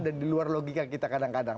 dan di luar logika kita kadang kadang